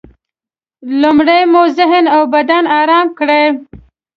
لومړی مو ذهن او بدن ارام کړئ.